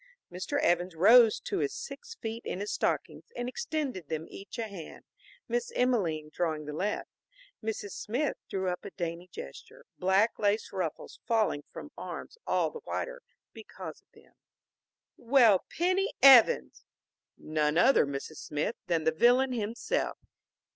Mr. Evans rose to his six feet in his stockings and extended them each a hand, Miss Emelene drawing the left. Mrs. Smith threw up a dainty gesture, black lace ruffles falling back from arms all the whiter because of them. "Well, Penny Evans!" "None other, Mrs. Smith, than the villain himself."